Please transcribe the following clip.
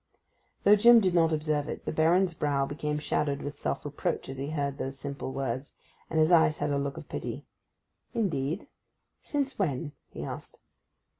Though Jim did not observe it, the Baron's brow became shadowed with self reproach as he heard those simple words, and his eyes had a look of pity. 'Indeed—since when?' he asked.